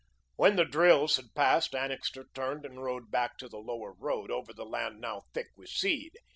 When the drills had passed, Annixter turned and rode back to the Lower Road, over the land now thick with seed.